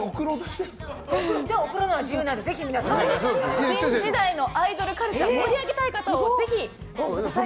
送るのは自由なので新時代のアイドルカルチャーを盛り上げたい方ぜひご応募ください。